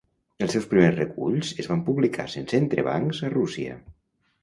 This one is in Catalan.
Els seus primers reculls es van publicar sense entrebancs a Rússia.